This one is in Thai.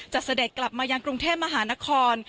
เสด็จกลับมายังกรุงเทพมหานคร